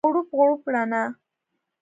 غوړپ، غوړپ رڼا